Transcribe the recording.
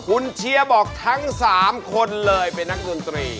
คุณเชียร์บอกทั้ง๓คนเลยเป็นนักดนตรี